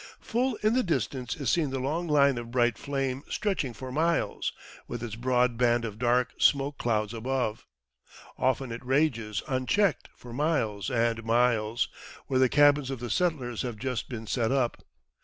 Full in the distance is seen the long line of bright flame stretching for miles, with its broad band of dark smoke clouds above. Often it rages unchecked for miles and miles, where the cabins of the settlers have just been set up.